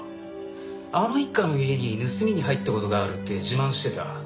あの一家の家に盗みに入った事があるって自慢してた。